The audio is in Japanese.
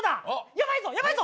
やばいぞやばいぞ。